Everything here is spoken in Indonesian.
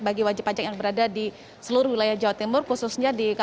pagi adi jika melihat sungguhan sungguhan yang sekarang memang cukup baik ya kondisinya